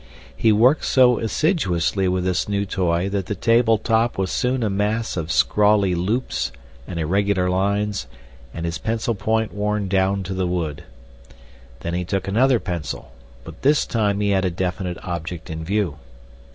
He worked so assiduously with this new toy that the table top was soon a mass of scrawly loops and irregular lines and his pencil point worn down to the wood. Then he took another pencil, but this time he had a definite object in view.